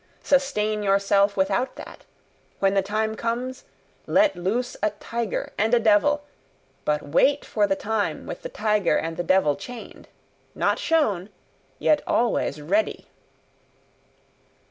Sustain yourself without that. When the time comes, let loose a tiger and a devil; but wait for the time with the tiger and the devil chained not shown yet always ready."